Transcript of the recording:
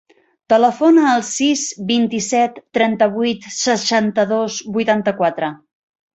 Telefona al sis, vint-i-set, trenta-vuit, seixanta-dos, vuitanta-quatre.